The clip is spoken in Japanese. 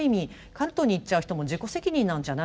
カルトにいっちゃう人も自己責任なんじゃないかと。